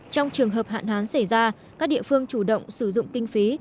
trong trường hợp hạn hán xảy ra các địa phương chủ động sử dụng kinh phí